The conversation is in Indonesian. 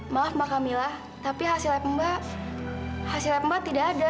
maaf mbak kamila tapi hasil lab mbak tidak ada